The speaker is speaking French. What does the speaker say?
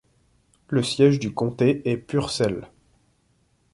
Le siège du comté est Purcell.